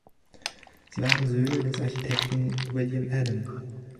Sie waren Söhne des Architekten William Adam.